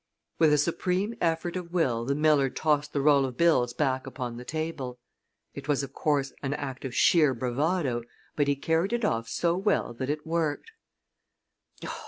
With a supreme effort of will the miller tossed the roll of bills back upon the table. It was, of course, an act of sheer bravado, but he carried it off so well that it worked.